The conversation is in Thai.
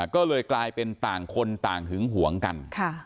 ก็เลยกลายเป็นต่างคนต่างหึงหวงกัน